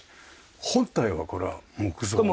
本体はこれは木造ですか？